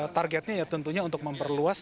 targetnya ya tentunya untuk memperluas